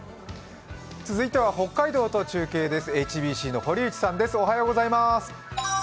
続いては北海道と中継です。